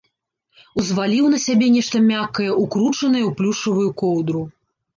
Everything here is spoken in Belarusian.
Узваліў на сябе нешта мяккае, укручанае ў плюшавую коўдру.